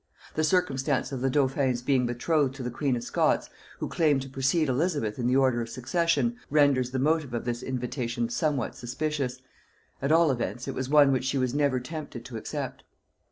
The circumstance of the dauphin's being betrothed to the queen of Scots, who claimed to precede Elizabeth in the order of succession, renders the motive of this invitation somewhat suspicious; at all events, it was one which she was never tempted to accept.